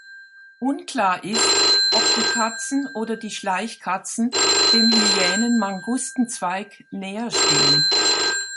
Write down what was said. Unklar ist, ob die Katzen oder die Schleichkatzen dem Hyänen-Mangusten-Zweig näher stehen.